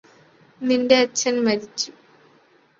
നിന്റെ അച്ഛന് മരിച്ചു